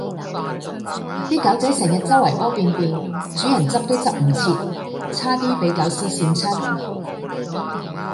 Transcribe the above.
啲狗仔成日周圍痾便便，主人執都執唔切，差啲比狗屎跣親